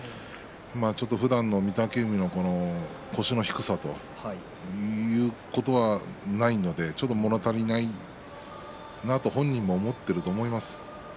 ふだんの御嶽海の腰の低さということがないのでちょっともの足りないなと本人も思っていると思います。